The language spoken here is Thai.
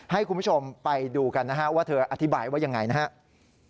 ให้คุณผู้ชมไปดูกันนะฮะว่าเธออธิบายว่ายังไงนะครับ